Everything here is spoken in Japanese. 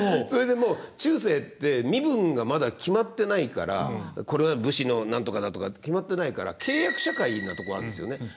それでもう中世って身分がまだ決まってないからこれは武士の何とかだとかって決まってないから契約社会なとこあるんですよね。